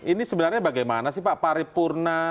ini sebenarnya bagaimana sih pak paripurna